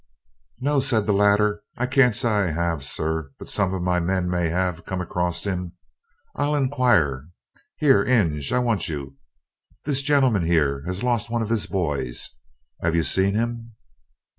"No," said the latter, "I can't say I have, sir, but some of my men may have come across him. I'll inquire here, Ing, I want you; this gentleman here has lost one of his boys, have you seen him?"